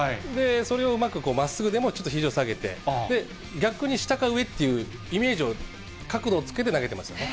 それをうまくまっすぐでもちょっとひじを下げて、逆に下か上っていうイメージを角度をつけて投げてますよね。